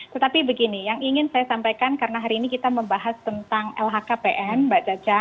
tetapi begini yang ingin saya sampaikan karena hari ini kita membahas tentang lhkpn mbak caca